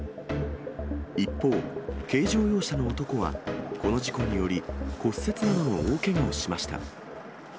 一方、軽乗用車の男は、この事故により、骨折などの大けがをしました。